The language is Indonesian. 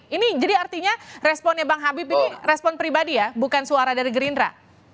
ini jadi artinya responnya bang habib ini respon pribadi ya bukan suara dari gerindra